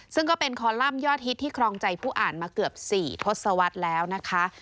ซึ่งก็เป็นคอลัมป์ยอดฮิตที่ครองใจผู้อ่านมาเกือบ๔ทศวรรษแล้วนะคะ